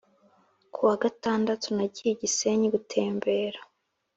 kuwa gatandatu nagiye I gisenyi gutembera